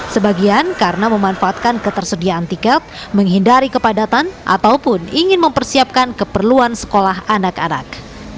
sebagian karena memanfaatkan ketersediaan tiket menghindari kepadatan ataupun ingin mempersiapkan keperluan sekolah anak anak